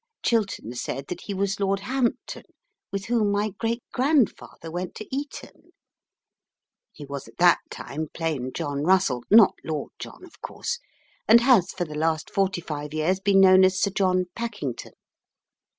Chiltern said that he was Lord Hampton, with whom my great grandfather went to Eton. He was at that time plain "John Russell" (not Lord John of course), and has for the last forty five years been known as Sir John Pakington.